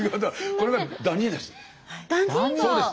これはダニです。